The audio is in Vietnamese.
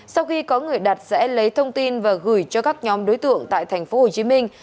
sau khi có người đặt sẽ lấy thông tin và gửi cho các nhóm đối tượng tại thành phố hồ chí minh